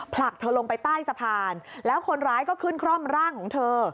ผลักเธอลงไปใต้สะพานแล้วคนร้ายก็ขึ้นคร่อมร่างของเธอ